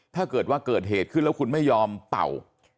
ถ้าเกิดว่าเกิดเหตุขึ้นแล้วคุณไม่ยอมเป่า